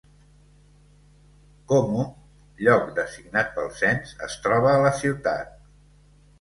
Como, lloc designat pel cens, es troba a la ciutat.